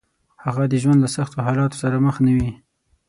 هغه د ژوند له سختو حالاتو سره مخ نه وي.